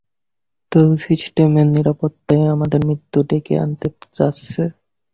তো, সিস্টেমের নিরাপত্তা-ই আমাদের মৃত্যু ডেকে আনতে যাচ্ছে?